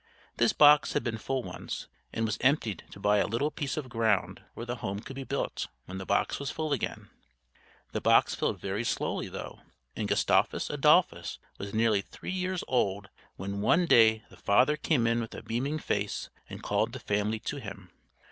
This box had been full once, and was emptied to buy a little piece of ground where the home could be built when the box was full again. The box filled very slowly, though; and Gustavus Adolphus was nearly three years old when one day the father came in with a beaming face and called the family to him.